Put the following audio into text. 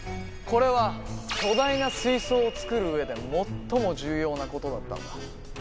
これは巨大な水槽を造る上で最も重要なことだったんだ